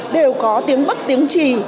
đều có tiếng bất tiếng trì